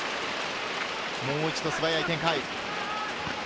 もう一度、素早い展開。